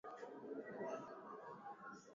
wakati ambao kuna maumivu makali kwenda haja ndogo